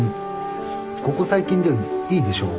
ここ最近ではいいでしょう？